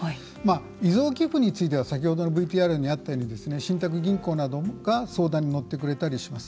遺贈寄付については、先ほどのＶＴＲにあったように信託銀行などが相談に乗ってくれたりします。